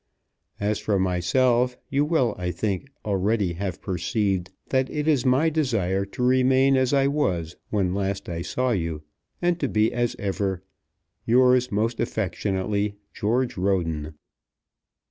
As for myself, you will, I think, already have perceived that it is my desire to remain as I was when last I saw you, and to be as ever Yours, most affectionately, GEORGE RODEN.